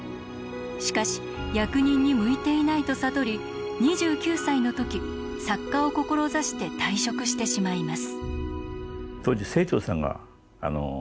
しかし役人に向いていないと悟り２９歳の時作家を志して退職してしまいます。